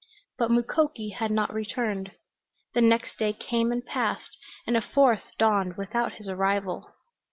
But Mukoki had not returned. The next day came and passed, and a fourth dawned without his arrival.